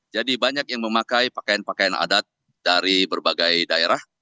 jadi banyak yang memakai pakaian pakaian adat dari berbagai daerah